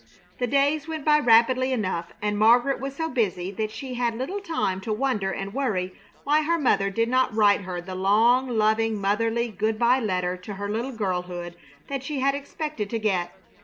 The days went by rapidly enough, and Margaret was so busy that she had little time to wonder and worry why her mother did not write her the long, loving, motherly good by letter to her little girlhood that she had expected to get.